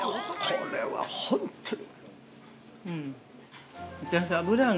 これは本当に！